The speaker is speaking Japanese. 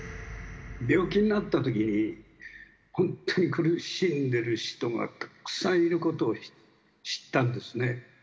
病気になったときに、本当に苦しんでいる人がたくさんいることを知ったんですね。